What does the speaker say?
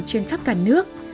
trên khắp cả nước